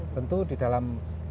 tentu di dalam